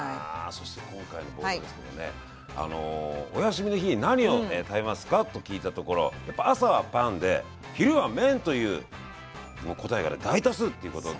そして今回のボードですけどもねお休みの日に何を食べますか？と聞いたところやっぱ朝はパンで昼は麺という答えがね大多数っていうことで。